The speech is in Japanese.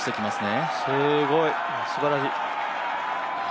これはすごい、すばらしい！